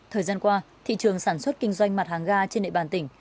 thời gian qua thị trường sản xuất kinh doanh mặt hàng ga trên địa bàn tỉnh